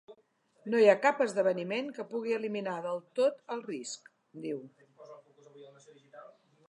“No hi ha cap esdeveniment que pugui eliminar del tot el risc”, diu.